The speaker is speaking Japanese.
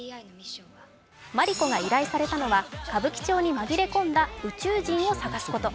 マリコが依頼されたのは歌舞伎町に紛れ込んだ宇宙人を探すこと。